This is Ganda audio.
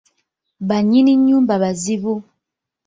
Bannyini nnyumba bazibu.